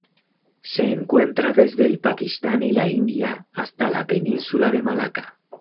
Se encuentra desde el Pakistán y la India hasta la Península de Malaca.